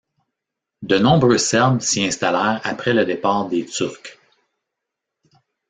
De nombreux Serbes s'y installèrent après le départ des Turcs.